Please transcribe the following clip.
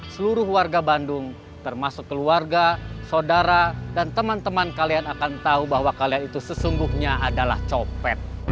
seluruh warga bandung termasuk keluarga saudara dan teman teman kalian akan tahu bahwa kalian itu sesungguhnya adalah copet